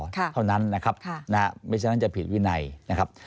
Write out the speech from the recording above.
เท่านั้นนะครับไม่ฉะนั้นจะผิดวินัยนะครับ